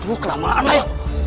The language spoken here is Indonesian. aduh kelamaan lah ayo